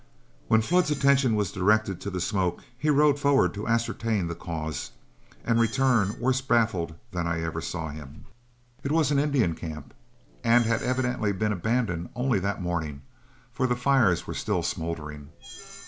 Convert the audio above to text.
When Flood's attention was directed to the smoke, he rode forward to ascertain the cause, and returned worse baffled than I ever saw him. It was an Indian camp, and had evidently been abandoned only that morning, for the fires were still smouldering.